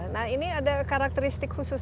nah ini ada karakteristik khusus